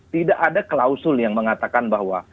tidak ada klausul yang mengatakan bahwa